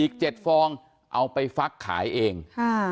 อีก๗ฟองเอาไปฟักขายเอง